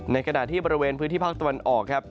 ขณะที่บริเวณพื้นที่ภาคตะวันออกครับ